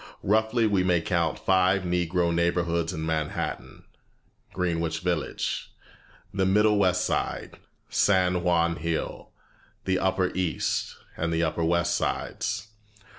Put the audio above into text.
Roughly we may count five Negro neighborhoods in Manhattan: Greenwich Village, the middle West Side, San Juan Hill, the upper East, and the upper West sides.